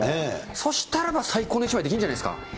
そしたらば、最高の一枚出来るんじゃないですか。